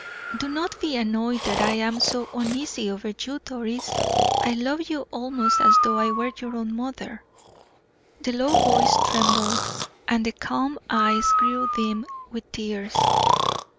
"Do not be annoyed that I am so uneasy over you, Doris; I love you almost as though I were your own mother." The low voice trembled, and the calm eyes grew dim with tears.